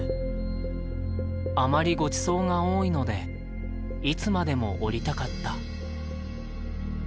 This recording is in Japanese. あまりご馳走が多いのでいつまでも居りたかった」。